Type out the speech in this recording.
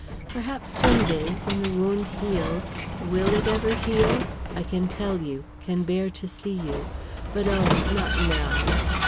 Perhaps some day, when the wound heals will it ever heal? I can tell you, can bear to see you. But oh, not now!